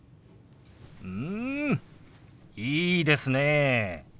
うんいいですねえ。